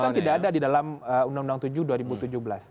memang tidak ada di dalam undang undang tujuh dua ribu tujuh belas